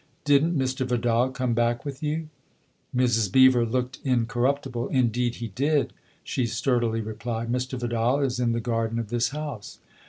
" Didn't Mr. Vidal come back with you ?" Mrs. Beever looked incorruptible. " Indeed he did !" she sturdily replied. " Mr. Vidal is in the garden of this house."